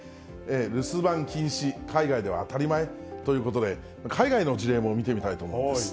留守番禁止、海外では当たり前ということで、海外の事例も見てみたいと思います。